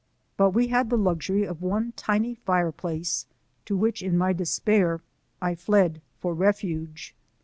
But we had the luxury of one tiny fire place, to which in my despair I fled for refuge.